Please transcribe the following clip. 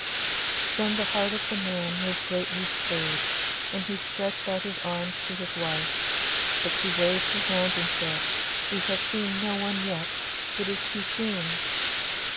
Then the heart of the man was greatly stirred, and he stretched out his arms to his wife, but she waved her hands and said, 'We have seen no one yet; it is too soon.